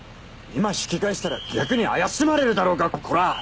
今引き返したら逆に怪しまれるだろうがコラ！